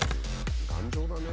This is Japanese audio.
頑丈だね。